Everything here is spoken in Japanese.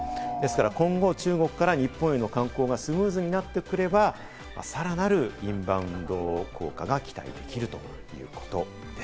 ですから今後、中国から日本への観光がスムーズになってくれば、さらなるインバウンド効果が期待できるということです。